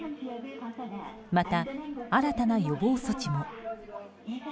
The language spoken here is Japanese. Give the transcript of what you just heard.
また、新たな予防措置も。